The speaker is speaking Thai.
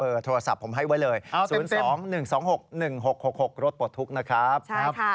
เบอร์โทรศัพท์ผมให้ว่าเลย๐๒๑๒๖๑๖๖๖๖รถปลอดทุกข์นะครับใช่ค่ะ